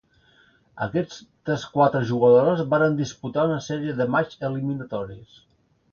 Aquestes quatre jugadores varen disputar una sèrie de matxs eliminatoris.